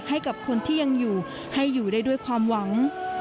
ให้กับคนที่ยังอยู่ให้อยู่ได้ด้วยความหวัง